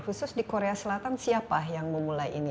khusus di korea selatan siapa yang memulai ini